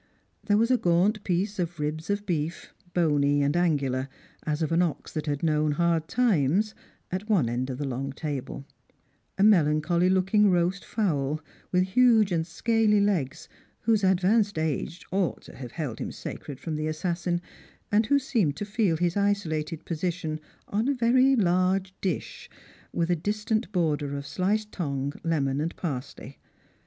There was a gaunt piece of ribs of beef, bony and angular, as of an ox that had known hard times, at one end of the long table; a melancholy looking roast fowl, with huge and scaly legs, whose advanced age ought to have held him sacred from the assassin, and who seemed to feel his isolated position on a vei y large dish, with a distant border of sliced tongue, lemon, and parsley.